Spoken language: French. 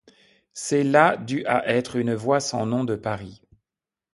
C'est la du à être une voie sans nom de Paris.